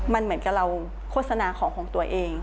มันเหมือนกับเราโฆษณาของของตัวเอง